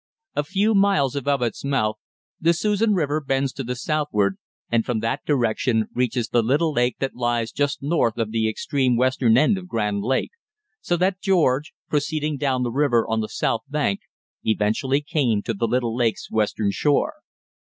A few miles above its mouth the Susan River bends to the southward, and from that direction reaches the little lake that lies just north of the extreme western end of Grand Lake, so that George, proceeding down the river on the south bank, eventually came to the little lake's western shore.